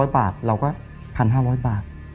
๐บาทเราก็๑๕๐๐บาท